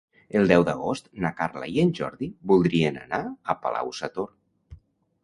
El deu d'agost na Carla i en Jordi voldrien anar a Palau-sator.